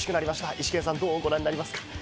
イシケンさん、どうご覧になりますか？